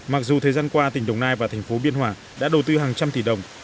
mặc dù thời gian qua tỉnh đồng nai và thành phố biên hòa đã đầu tư hàng trăm tỷ đồng